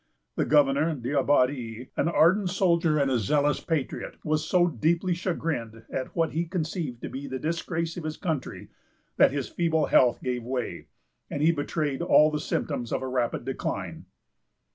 The governor, D'Abbadie, an ardent soldier and a zealous patriot, was so deeply chagrined at what he conceived to be the disgrace of his country, that his feeble health gave way, and he betrayed all the symptoms of a rapid decline.